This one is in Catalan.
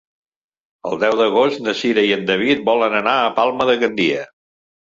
El deu d'agost na Cira i en David volen anar a Palma de Gandia.